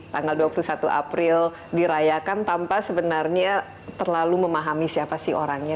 tanggal dua puluh satu april dirayakan tanpa sebenarnya terlalu memahami siapa sih orangnya